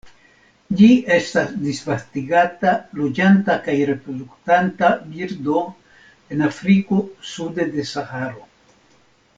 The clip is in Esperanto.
Ĝi estas disvastigata loĝanta kaj reproduktanta birdo en Afriko sude de Saharo.